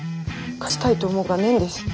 勝ちたいと思うことがねえんです。